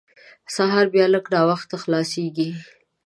سهار بیا لږ ناوخته خلاصېږي.